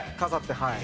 はい。